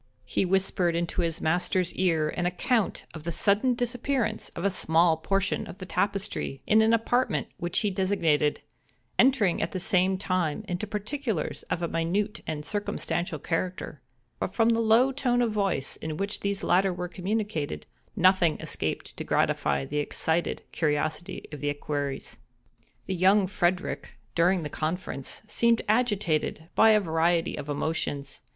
He whispered into his master's ear an account of the sudden disappearance of a small portion of the tapestry, in an apartment which he designated; entering, at the same time, into particulars of a minute and circumstantial character; but from the low tone of voice in which these latter were communicated, nothing escaped to gratify the excited curiosity of the equerries. The young Frederick, during the conference, seemed agitated by a variety of emotions.